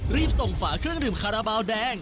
รีบส่งฝาเครื่องดื่มคาราบาลแดง